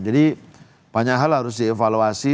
jadi banyak hal harus dievaluasi